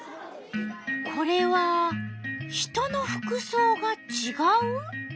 これは人の服そうがちがう？